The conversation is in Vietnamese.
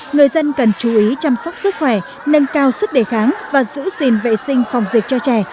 người dân cần chú ý chăm sóc sức khỏe nâng cao sức đề kháng và giữ xin vệ sinh phòng dịch cho trẻ